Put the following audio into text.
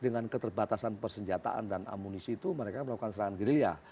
dengan keterbatasan persenjataan dan amunisi itu mereka melakukan serangan gerilya